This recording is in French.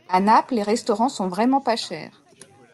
à Naples les restaurants sont vraiment pas chers.